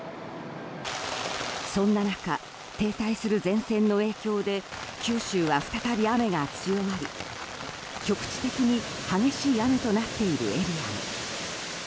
そんな中、停滞する前線の影響で九州は再び雨が強まり局地的に激しい雨となっているエリアも。